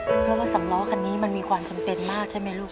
เพราะว่าสำล้อคันนี้มันมีความจำเป็นมากใช่ไหมลูก